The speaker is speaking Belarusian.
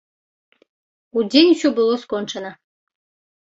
Удзень усё было скончана.